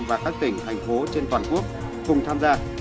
và các tỉnh thành phố trên toàn quốc cùng tham gia